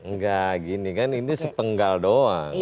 enggak ini kan sepenggal doang